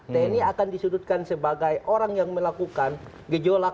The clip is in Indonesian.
tni akan disudutkan sebagai orang yang melakukan gejolak g tiga puluh spk